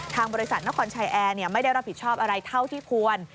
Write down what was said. ทางบริษัทนครชายแอร์ไม่ได้รับผิดชอบอะไรเท่าที่ควร